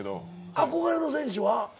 憧れの選手は？